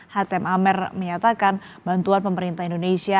hatim amer menyatakan bantuan pemerintah indonesia